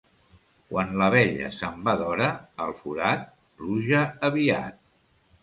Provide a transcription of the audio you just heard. Quan l'abella se'n va d'hora al forat, pluja aviat.